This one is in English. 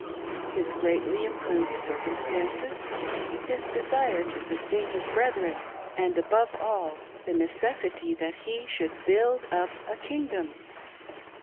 — His greatly improved circumstances ; his desire to sustain his brethren ;, and, above all, the necessity that he should " build up a king dom!"